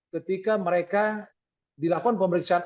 ketika mereka dilakukan pemeriksaan